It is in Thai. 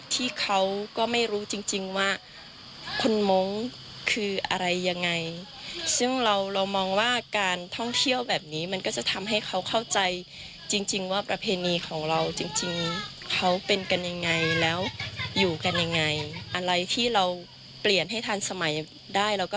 เพราะว่านี่คือตัวตนที่เป็นตัวตนของเราจริง